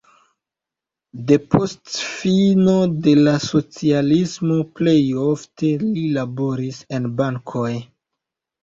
Depost fino de la socialismo plej ofte li laboris en bankoj.